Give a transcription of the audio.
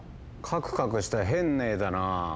カクカクした変な絵だな。